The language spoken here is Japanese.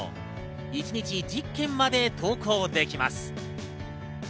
一日１０件まで投稿できます。